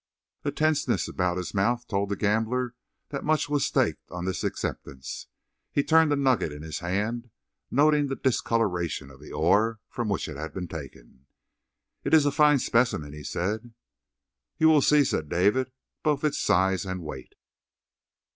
A tenseness about his mouth told the gambler that much was staked on this acceptance. He turned the nugget in his hand, noting the discoloration of the ore from which it had been taken. "It is a fine specimen," he said. "You will see," said David, "both its size and weight."